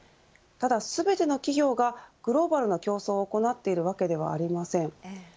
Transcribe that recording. ただ全ての企業がグローバルな競争を行っているわけではありません。